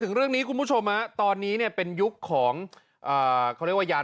ถึงเรื่องนี้คุณผู้ชมฮะตอนนี้เนี่ยเป็นยุคของเขาเรียกว่ายาน